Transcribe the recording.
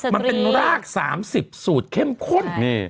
มันเป็นราก๓๐สูตรเข้มข้น